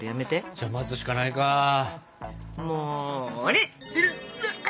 じゃあ待つしかないか。も。